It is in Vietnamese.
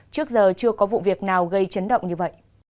trước giờ chưa có vụ việc nào gây chấn động như vậy